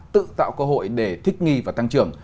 tự tạo cơ hội để thích nghi và tăng trưởng